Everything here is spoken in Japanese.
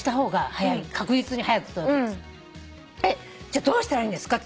じゃあどうしたらいいんですか？